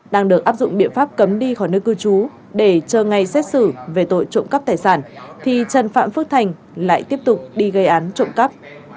đang được áp dụng biện pháp cấm đi khỏi nơi cư trú để chờ ngày xét xử về tội trộm cắp tài sản thì trần phạm phước thành lại tiếp tục đi gây án trộm cắp